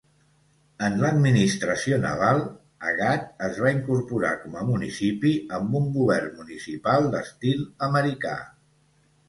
En l'administració naval, Agat es va incorporar com a municipi amb un govern municipal d'estil americà.